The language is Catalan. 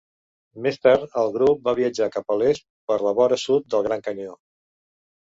Més tard, el grup va viatjar cap a l'est per la vora sud del Gran Canyó.